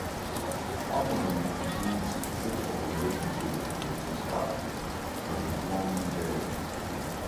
Harmony begins a sexual relationship with Spike, her blondie bear.